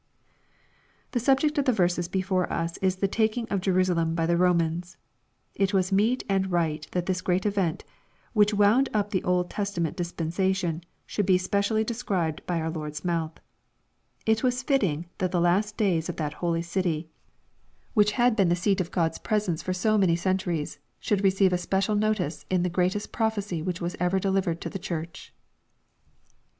The subject of the verses before us is the taking of Je rusalem by the Eomans. It was meet and right that this great event, which wound up the Old Testament dispen sation, should be specially described by our Lord's mouth. It was fitting that the last days of that holy city, which 868 EXPOSITORY THOUGHTS. had been the seat of God's presence for so many cea turies^ should receive a special notice in the greatest prophecy which was ever delivered to the Church.